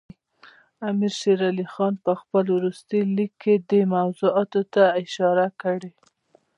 امیر شېر علي خان په خپل وروستي لیک کې دې موضوعاتو ته اشاره کړې.